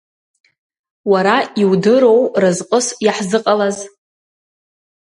Уара иудыроу разҟыс иаҳзыҟалаз?